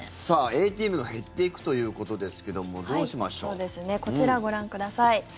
ＡＴＭが減っていくということですけどもこちら、ご覧ください。